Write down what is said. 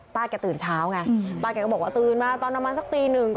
แกตื่นเช้าไงป้าแกก็บอกว่าตื่นมาตอนประมาณสักตีหนึ่งกว่า